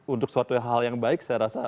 untuk suatu hal yang baik saya rasa